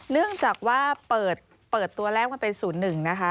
เนื่องจากว่าเปิดตัวแรกมันเป็น๐๑นะคะ